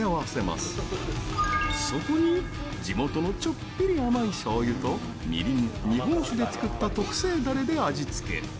そこに地元のちょっぴり甘いしょうゆとみりん、日本酒で作った特製ダレで味付け。